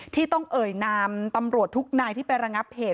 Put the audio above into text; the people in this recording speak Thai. ที่ต้องเอ่ยนามตำรวจทุกนายที่ไประงับเหตุ